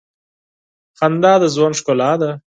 خندا د ژوند ښکلا ده.